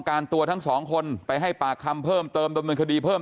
ตัวทั้งสองคนไปให้ปากคำเพิ่มเติมดำเนินคดีเพิ่ม